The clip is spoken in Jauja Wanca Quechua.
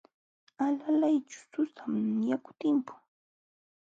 Alalayćhu sasam yaku timpun.